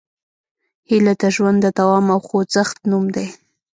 هیله د ژوند د دوام او خوځښت نوم دی.